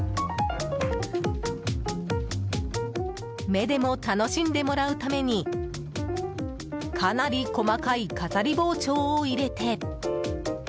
目でも楽しんでもらうためにかなり細かい飾り包丁を入れて。